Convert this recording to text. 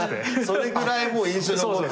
それぐらいもう印象に残った？